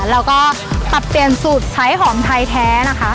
แล้วก็ปรับเปลี่ยนสูตรใช้หอมไทยแท้นะคะ